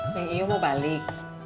peng iyo mau balik